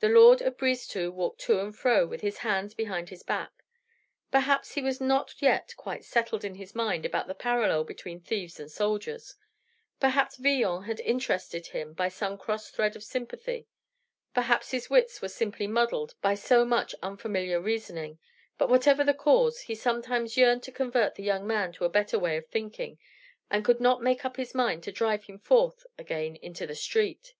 The lord of Brisetout walked to and fro with his hands behind his back. Perhaps he was not yet quite settled in his mind about the parallel between thieves and soldiers; perhaps Villon had interested him by some cross thread of sympathy; perhaps his wits were simply muddled by so much unfamiliar reasoning; but whatever the cause, he somehow yearned to convert the young man to a better way of thinking, and could not make up his mind to drive him forth again into the street.